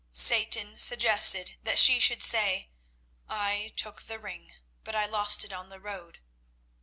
Satan suggested that she should say, "I took the ring, but I lost it on the road."